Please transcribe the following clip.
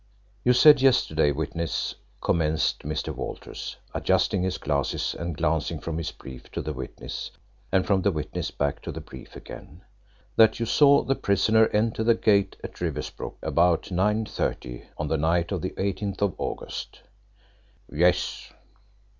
"You said yesterday, witness," commenced Mr. Walters, adjusting his glasses and glancing from his brief to the witness and from the witness back to the brief again, "that you saw the prisoner enter the gate at Riversbrook about 9.30 on the night of the 18th of August?" "Yes."